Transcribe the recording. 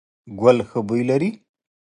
ګل ښه بوی لري ….